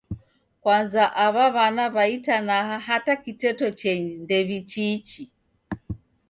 Kwanza aw'a wana wa itanaha hata kiteto cheni ndew'ichiichi.